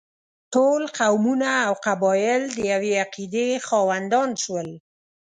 ټول قومونه او قبایل د یوې عقیدې خاوندان شول.